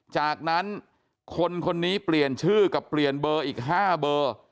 จากนั้นคนคนนี้เปลี่ยนชื่อกับเปลี่ยนเบอร์อีก๕เบอร์